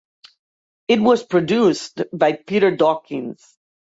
It was produced by Peter Dawkins.